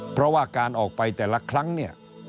เพราะว่าการออกไปแต่ละครั้งเนี่ย